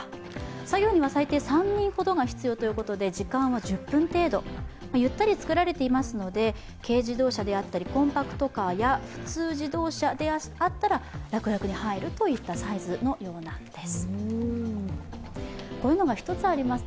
作業には最低３人ほどが必要ということで、時間は１０分程度ゆったり作られていますので、軽自動車やコンパクトカーや普通自動車だったら楽々入るサイズになっています。